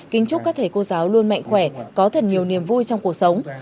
kính chúc các thầy cô giáo luôn mạnh khỏe có thật nhiều niềm vui trong cuộc sống